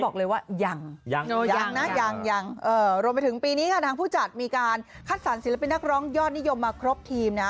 บอกเลยว่ายังยังนะยังรวมไปถึงปีนี้ค่ะทางผู้จัดมีการคัดสรรศิลปินนักร้องยอดนิยมมาครบทีมนะ